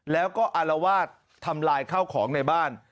แล้วก็อารวาสทำลายข้าวของในบ้าน